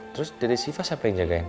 terus dari siva siapa yang jagain